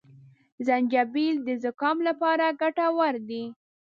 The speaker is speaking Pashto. زنجپيل د زکام لپاره ګټور دي